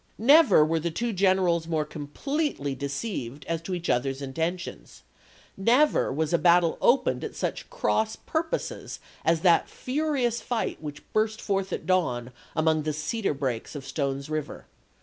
Never were two generals more completely deceived as to each other's intentions ; never was a battle opened at such cross purposes as that furious fight which burst forth at dawn among the cedar brakes of Stone's River.